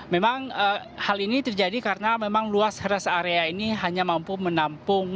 memang hal ini terjadi karena memang luas rest area ini hanya mampu menampung